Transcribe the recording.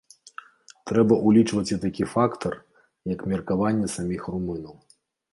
Трэба ўлічваць і такі фактар, як меркаванне саміх румынаў.